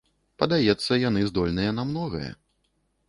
Падаецца, яны здольныя на многае.